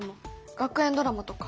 学園ドラマとか。